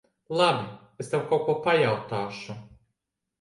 Labi. Es tev kaut ko pajautāšu.